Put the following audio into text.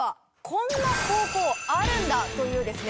こんな高校あるんだというですね